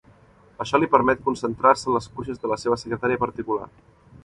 Això li permet concentrar-se en les cuixes de la seva secretària particular.